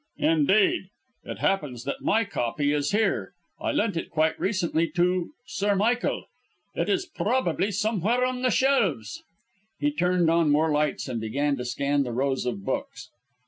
"Indeed. It happens that my copy is here; I lent it quite recently to Sir Michael. It is probably somewhere on the shelves." He turned on more lights and began to scan the rows of books.